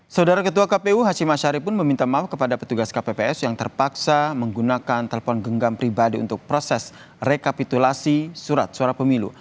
saudara ketua kpu hashim ashari pun meminta maaf kepada petugas kpps yang terpaksa menggunakan telepon genggam pribadi untuk proses rekapitulasi surat suara pemilu